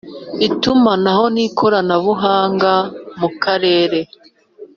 Itumanaho n ikoranabuhanga mu karere